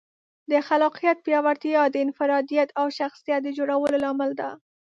د خلاقیت پیاوړتیا د انفرادیت او شخصیت د جوړولو لامل ده.